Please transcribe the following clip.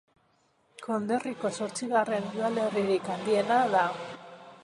Konderriko zortzigarren udalerririk handiena da.